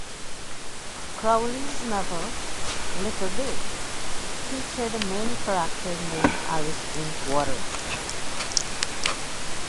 Crowley's novel "Little, Big" featured a main character named Alice Drinkwater.